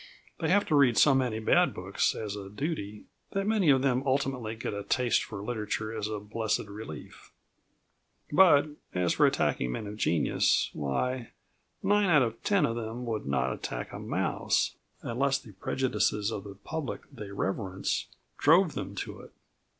They have to read so many bad books as a duty, that many of them ultimately get a taste for literature as a blessed relief. But, as for attacking men of genius, why, nine out of ten of them would not attack a mouse, unless the prejudices of the public they reverence drove them to it.